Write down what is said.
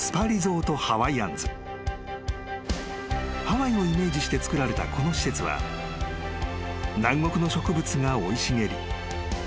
［ハワイをイメージして造られたこの施設は南国の植物が生い茂り］